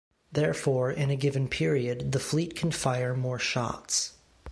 Therefore, in a given period, the fleet can fire more shots.